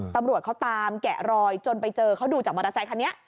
ตำรวจเขาตามแกะรอยจนไปเจอเขาดูจากมอเตอร์ไซคันนี้